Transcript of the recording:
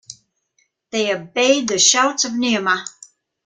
They obeyed the shouts of Niamh.